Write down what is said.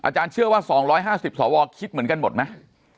อาจารย์เชื่อว่า๒๕๐สวคิดเหมือนกันหมดมั้ย